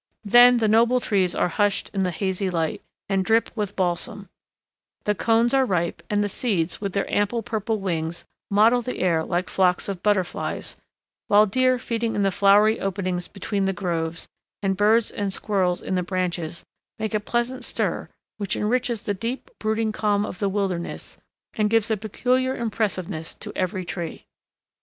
Then the noble trees are hushed in the hazy light, and drip with balsam; the cones are ripe, and the seeds, with their ample purple wings, mottle the air like flocks of butterflies; while deer feeding in the flowery openings between the groves, and birds and squirrels in the branches, make a pleasant stir which enriches the deep, brooding calm of the wilderness, and gives a peculiar impressiveness to every tree.